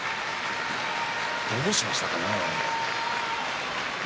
どうしましたかね。